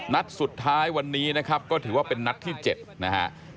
นัดสุดท้ายวันนี้นะครับก็ถือว่าเป็นนัดที่๗นะฮะ